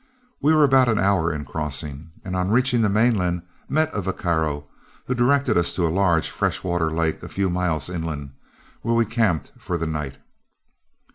We were about an hour in crossing, and on reaching the mainland met a vaquero, who directed us to a large fresh water lake a few miles inland, where we camped for the night.